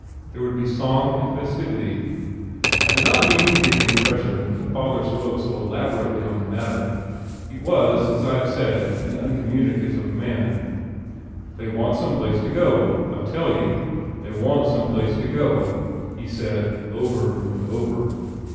There would be song and festivity. I do not mean to give the impression that father spoke so elaborately of the matter. He was as I have said an uncommunicative man. "They want some place to go. I tell you they want some place to go," he said over and over.